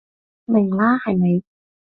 明啦係咪？